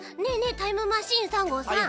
タイムマシーン３号さん